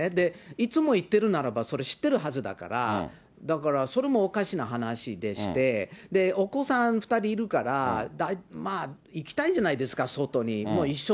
いつも行ってるならば、それ知ってるはずだから、だから、それもおかしな話でして、お子さん２人いるから、行きたいじゃないですか、外に。